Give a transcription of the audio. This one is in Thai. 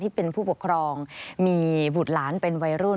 เป็นผู้ปกครองมีบุตรหลานเป็นวัยรุ่น